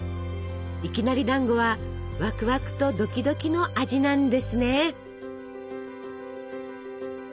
いきなりだんごはワクワクとドキドキの味なんですね！